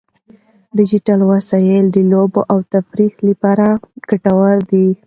ډیجیټل وسایل د لوبو او تفریح لپاره ګټور دي.